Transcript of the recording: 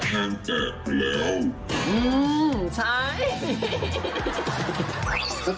แห้งแตกไปแล้ว